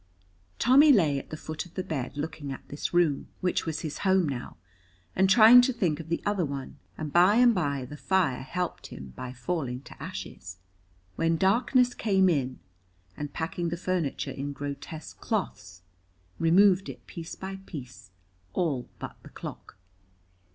Tommy lay at the foot of the bed looking at this room, which was his home now, and trying to think of the other one, and by and by the fire helped him by falling to ashes, when darkness came in, and packing the furniture in grotesque cloths, removed it piece by piece, all but the clock.